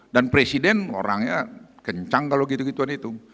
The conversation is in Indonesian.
dan presiden orangnya kencang kalau gitu gituan itu